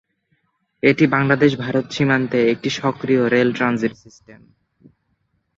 এটি বাংলাদেশ-ভারত সীমান্তে একটি সক্রিয় রেল ট্রানজিট সিস্টেম।